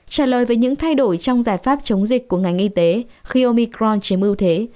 trả lời về những thay đổi trong giải pháp chống dịch của ngành y tế khi omicron chiếm ưu thế